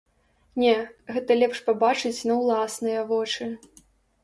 Не, гэта лепш пабачыць на ўласныя вочы.